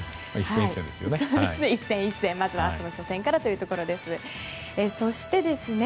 一戦一戦まずは、明日の初戦からというところです。